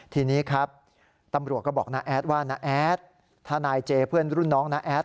ทีนี้ครับตำรวจก็บอกน้าแอดว่าน้าแอดทนายเจเพื่อนรุ่นน้องน้าแอด